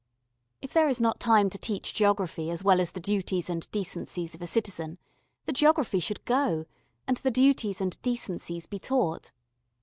If there is not time to teach geography as well as the duties and decencies of a citizen, the geography should go, and the duties and decencies be taught.